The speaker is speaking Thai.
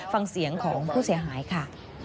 ฟังเสียงของผู้เสียหายค่ะ